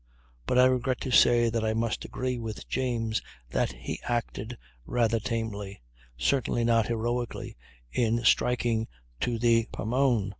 But I regret to say that I must agree with James that he acted rather tamely, certainly not heroically, in striking to the Pomone.